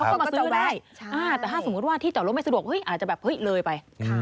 ก็มาซื้อไว้แต่ถ้าสมมุติว่าที่จอดรถไม่สะดวกอาจจะแบบเฮ้ยเลยไป